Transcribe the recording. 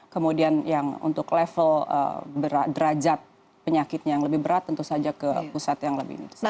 kemudian yang untuk level derajat penyakitnya yang lebih berat tentu saja ke pusat yang lebih besar